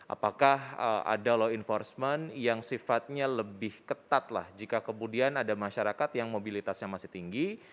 apakah ada law enforcement yang sifatnya lebih ketat lah jika kemudian ada masyarakat yang mobilitasnya masih tinggi